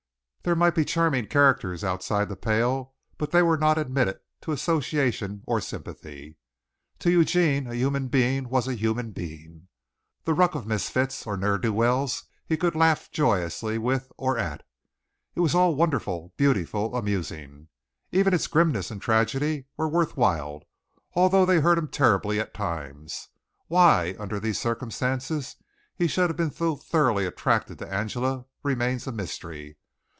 There might be charming characters outside the pale, but they were not admitted to association or sympathy. To Eugene a human being was a human being. The ruck of misfits or ne'er do wells he could laugh joyously with or at. It was all wonderful, beautiful, amusing. Even its grimness and tragedy were worth while, although they hurt him terribly at times. Why, under these circumstances, he should have been so thoroughly attracted to Angela remains a mystery.